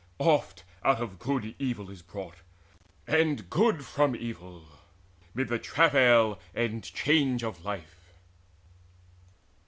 Oft out of good is evil brought, and good From evil, mid the travail and change of life."